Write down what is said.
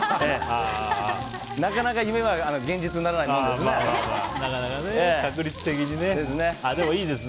なかなか夢は現実にならないものですね。